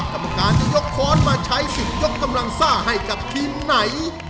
กรรมการจะยกค้อนมาใช้สิทธิ์ยกกำลังซ่าให้กับทีมไหน